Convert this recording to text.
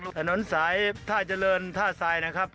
ถนนสายถ้าเจริญถ้าใส่นะครับ